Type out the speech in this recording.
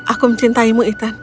aku mencintaimu ethan